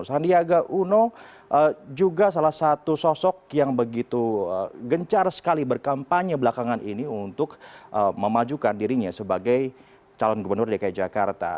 sandiaga uno juga salah satu sosok yang begitu gencar sekali berkampanye belakangan ini untuk memajukan dirinya sebagai calon gubernur dki jakarta